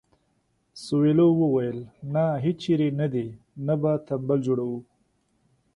سویلو وویل نه هیچېرې نه دې نه به تمبل جوړوو.